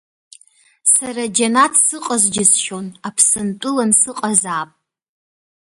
Сара џьанаҭ сыҟаз џьысшьон, Аԥсынтәылан сыҟазаап.